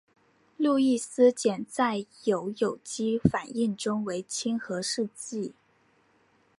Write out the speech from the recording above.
路易斯碱在有机反应中为亲核试剂。